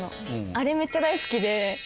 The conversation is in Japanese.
あれめっちゃ大好きで。